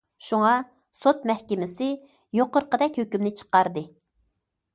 شۇڭا، سوت مەھكىمىسى يۇقىرىقىدەك ھۆكۈمنى چىقاردى.